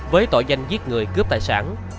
với tội danh giết người cướp tài sản